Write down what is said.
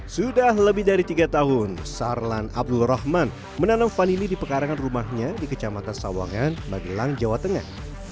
sudah lebih dari tiga tahun sarlan abdul rahman menanam vanili di pekarangan rumahnya di kecamatan sawangan magelang jawa tengah